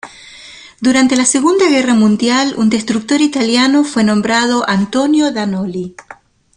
Durante la Segunda Guerra Mundial, un destructor italiano fue nombrado "Antonio da Noli".